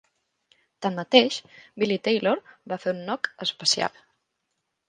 Tanmateix, Billy Taylor va fer un "knock" especial.